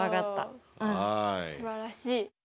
おおすばらしい。